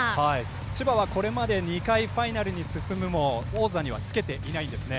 千葉はこれまで２回ファイナルに進むも王座にはつけていないんです。